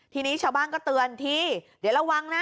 ทีนี้ชาวบ้านก็เตือนทีเดี๋ยวระวังนะ